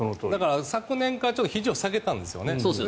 昨年からひじを下げたんですね。